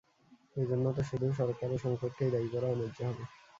এ জন্য তো শুধু সরকার ও সংসদকেই দায়ী করা অন্যায্য হবে।